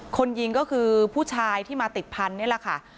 คนยิงก็คือผู้ชายที่มาติดพันธุ์นี่แหละค่ะ